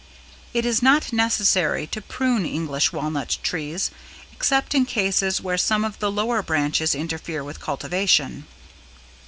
It is not necessary to prune English Walnut trees except in cases where some of the lower branches interfere with cultivation.